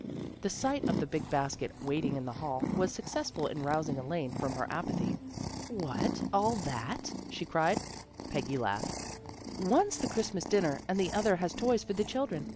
The sight of the big basket waiting in the hall was successful in rousing Elaine from her apathy. " What, all that? " she cried. Peggy laughed. " One's the Christmas dinner. And the other has toys for the children.